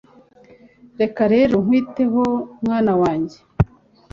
reka rero nkwiteho mwana wanjye